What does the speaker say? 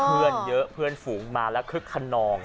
เพื่อนเยอะเพื่อนฝูงมาแล้วคึกขนอง